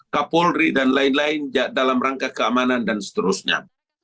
kapolri dan lain lain dalam rangka keamanan dan seterusnya